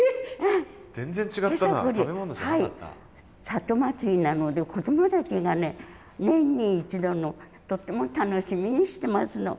里祭なので子どもたちがね年に一度のとっても楽しみにしてますの。